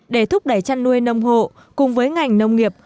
để thúc đẩy chăn nuôi nông hộ cùng với ngành nông nghiệp